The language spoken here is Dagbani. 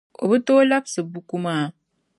O be tooi labsi buku maa.